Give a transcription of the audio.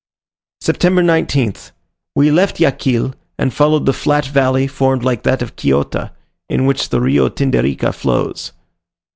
September 19th. We left Yaquil, and followed the flat valley, formed like that of Quillota, in which the Rio Tinderidica flows.